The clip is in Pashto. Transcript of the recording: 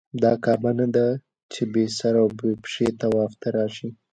دا کعبه نه ده چې بې سر و پښې طواف ته راشې.